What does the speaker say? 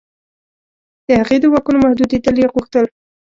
د هغې د واکونو محدودېدل یې غوښتل.